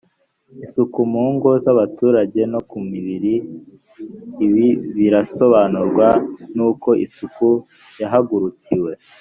isuku mu ngo z abaturage no ku mubiri ibi birasobanurwa n uko isuku yahagurukiwe